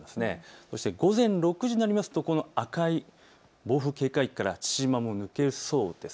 そして午前６時になると赤い暴風警戒域から父島も抜けそうです。